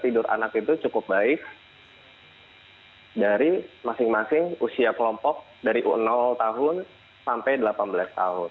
tidur anak itu cukup baik dari masing masing usia kelompok dari tahun sampai delapan belas tahun